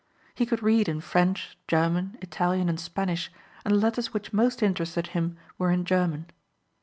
He could read in French, German, Italian and Spanish and the letters which most interested him were in German.